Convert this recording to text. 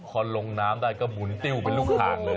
ขอลงน้ำได้ก็บุนติ้วไปลุกขาดเลย